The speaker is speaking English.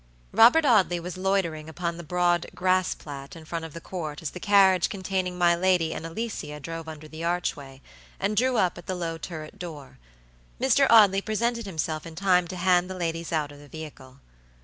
Robert Audley was loitering upon the broad grass plat in front of the Court as the carriage containing my lady and Alicia drove under the archway, and drew up at the low turret door. Mr. Audley presented himself in time to hand the ladies out of the vehicle.